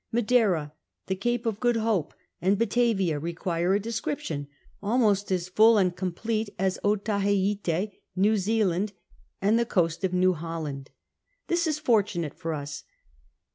Madeira, the Gape of Good Hope, and Batavia require a descrip tion almost as full and complete as Otaheite, New Zealand, and the coast of New Holland. This is fortunate for us.